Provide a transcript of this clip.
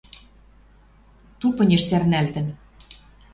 Тупынеш сӓрнӓлтӹн